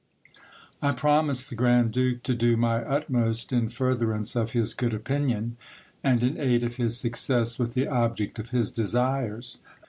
I promised the grand duke to do my utmost, in furtherance of his good opinion, and in aid of his success with the object of his desires.